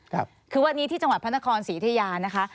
คือวันนี้ที่จังหวัดพระนครศรียุธยานะคะ